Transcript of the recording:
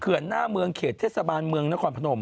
เขือนหน้าเมืองเขตเทศาบารรมเปียงนครพนม